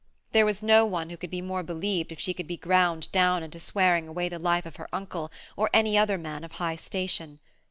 There was no one who could be more believed if she could be ground down into swearing away the life of her uncle or any other man of high station.